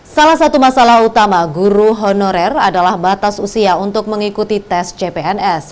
salah satu masalah utama guru honorer adalah batas usia untuk mengikuti tes cpns